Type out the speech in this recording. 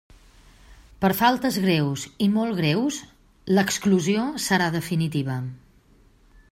Per faltes greus i molt greus l'exclusió, serà definitiva.